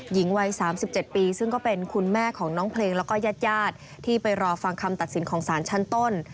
หญิงวัย๓๗ปีซึ่งก็เป็นคุณแม่ของน้องเพลงแล้วก็ญาติที่ไปรอฟังคำตัดสินของสารชั้นต้น